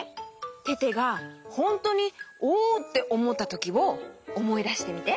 テテがホントにおっておもったときをおもいだしてみて。